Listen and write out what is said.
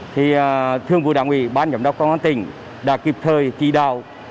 thì thường vụ đảng ủy ban giám đốc công an tỉnh đã kịp thời chỉ đạo